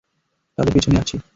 তাদের পেছনেই আছি।